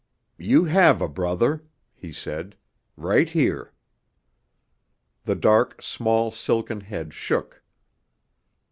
"You have a brother," he said. "Right here." The dark small silken head shook.